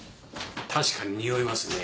確かににおいますねぇ。